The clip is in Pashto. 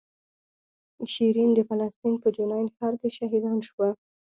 شیرین د فلسطین په جنین ښار کې شهیدان شوه.